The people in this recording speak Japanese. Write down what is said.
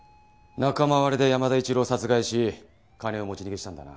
仲間割れで山田一郎を殺害し金を持ち逃げしたんだな？